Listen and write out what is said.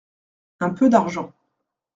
Un peu d’argent.